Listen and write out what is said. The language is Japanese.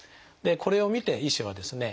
これを見て医師はですね